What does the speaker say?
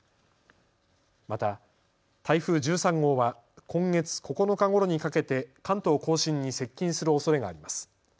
また台風１３号は今月９日ごろにかけて関東甲信に接近するおそれがあります。